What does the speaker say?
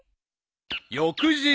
［翌日］